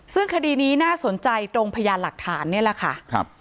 ซึ่งคดีนี้น่าสนใจตรงพยานหลักฐานนี่แหละค่ะ